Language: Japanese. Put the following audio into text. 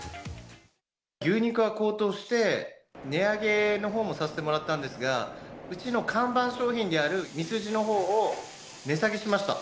牛肉が高騰して、値上げのほうもさせてもらったんですが、うちの看板商品であるミスジのほうを値下げしました。